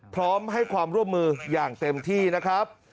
พร้อมให้ความร่วมมืออย่างเต็มที่นะครับ